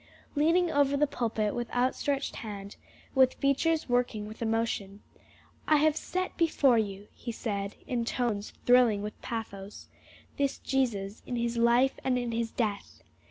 Leaning over the pulpit with outstretched hand, with features working with emotion, "I have set before you," he said in tones thrilling with pathos, "this Jesus in his life and in his death.